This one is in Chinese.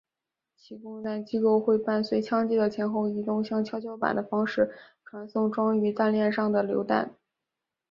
其供弹机构会伴随枪机的前后移动像跷跷板的方式传送装于弹链上的榴弹。